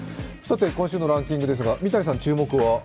今週のランキングですが、三谷さん注目は？